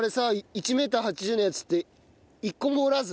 １メーター８０のやつって１個も折らず？